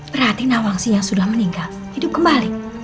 perhati nawangsi yang sudah meninggal hidup kembali